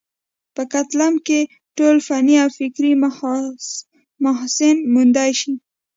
پۀ کلتم کښې ټول فني او فکري محاسن موندے شي